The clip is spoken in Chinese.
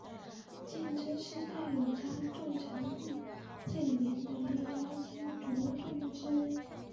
鉴贞是大友家重臣户次鉴连的一门亲族众之一。